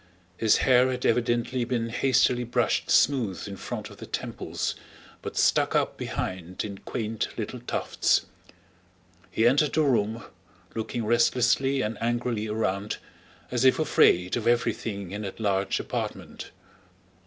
His hair had evidently been hastily brushed smooth in front of the temples, but stuck up behind in quaint little tufts. He entered the room, looking restlessly and angrily around, as if afraid of everything in that large apartment.